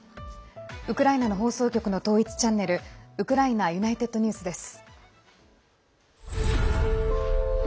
ウクライナの放送局の統一チャンネルウクライナＵｎｉｔｅｄＮｅｗｓです。